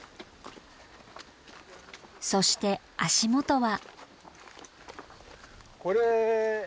そして足元は。